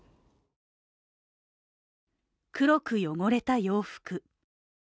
黒く汚れた洋服。